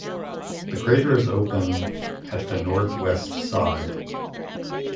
The crater is open at the northwest side.